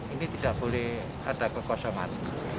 ini tidak boleh ada kekosongan